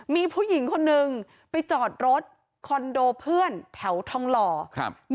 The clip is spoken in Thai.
มีผู้หญิงคนนึงไปจอดรถคอนโดเพื่อนแถวทองหล่อครับ